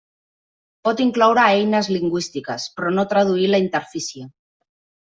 Pot incloure eines lingüístiques, però no traduir la interfície.